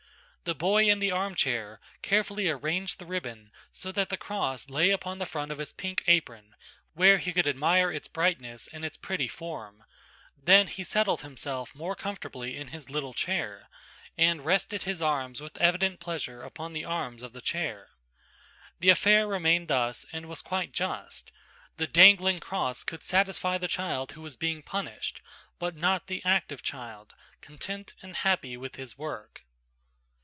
The boy in the armchair carefully arranged the ribbon so that the cross lay upon the front of his pink apron where he could admire its brightness and its pretty form, then he settled himself more comfortably in his little chair and rested his arms with evident pleasure upon the arms of the chair. The affair remained thus, and was quite just. The dangling cross could satisfy the child who was being punished, but not the active child, content and happy with his work.